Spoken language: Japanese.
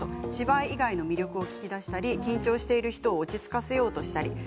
芝居以外の魅力を聞き出したり緊張している人を落ち着かせようとしたり。